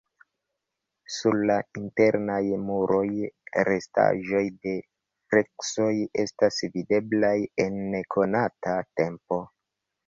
Sur la internaj muroj restaĵoj de freskoj estas videblaj el nekonata tempo.